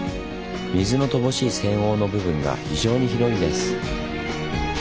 水の乏しい扇央の部分が非常に広いんです。